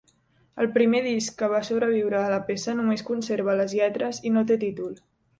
El primer disc que va sobreviure de la peça només conserva les lletres i no té títol.